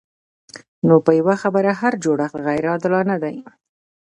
نو په یوه خبره هر جوړښت غیر عادلانه دی.